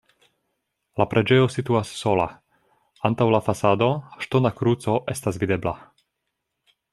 La preĝejo situas sola, antaŭ la fasado ŝtona kruco estas videbla.